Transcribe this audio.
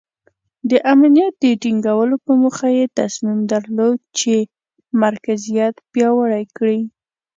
د امنیت د ټینګولو په موخه یې تصمیم درلود چې مرکزیت پیاوړی کړي.